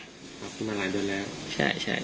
อ๋อมันหลายเดือนแล้ว